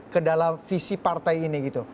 kedalam visi partai ini gitu